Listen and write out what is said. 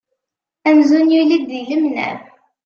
Amzun yuli-d di lemnam.